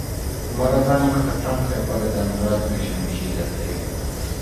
A maradványokat a francia forradalom alatt megsemmisítették.